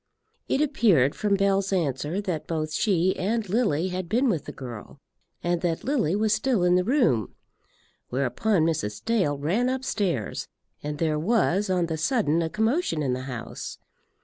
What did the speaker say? It appeared from Bell's answer that both she and Lily had been with the girl, and that Lily was still in the room. Whereupon Mrs. Dale ran upstairs, and there was on the sudden a commotion in the house.